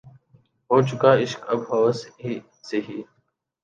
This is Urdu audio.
ہو چکا عشق اب ہوس ہی سہی